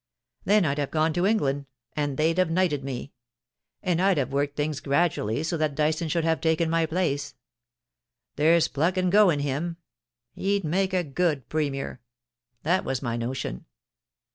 Then I'd have gone to England, and they'd have knighted me ; and I'd have worked things gradually so that Dyson should have taken my place. There's pluck and go in him. He'd make a good Premier. That was my notion.